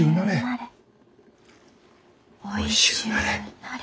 おいしゅうなれ。